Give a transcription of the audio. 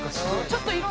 「ちょっと色」